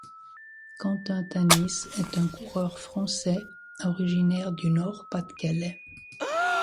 Quentin Tanis est un coureur français originaire du Nord-Pas-de-Calais.